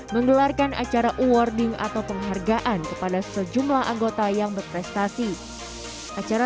menggelarkan acara awarding atau penghargaan kepada sejumlah anggota yang berprestasi acara